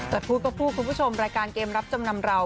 แต่พูดก็พูดคุณผู้ชมรายการเกมรับจำนำเรา